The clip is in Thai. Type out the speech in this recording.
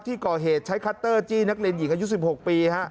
ที่ก่อเหตุใช้คัตเตอร์จี้นักเรียนหญิงอายุ๑๖ปี